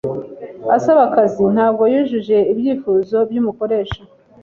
Usaba akazi ntabwo yujuje ibyifuzo byumukoresha.